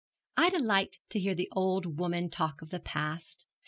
Ida liked to hear the old woman talk of the past.